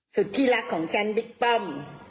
สุดที่รักของฉันบิ๊กป้อม